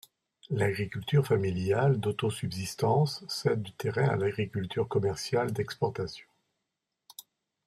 L'agriculture familiale d'autosubsistance cède du terrain à l'agriculture commerciale d'exportation.